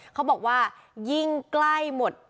เขาบอกว่ายิ่งใกล้หมด